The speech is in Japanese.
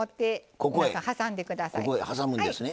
ここへ挟むんですね。